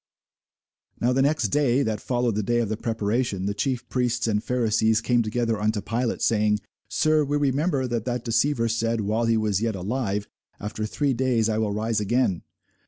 Now the next day, that followed the day of the preparation, the chief priests and Pharisees came together unto Pilate, saying, Sir, we remember that that deceiver said, while he was yet alive, After three days I will rise again.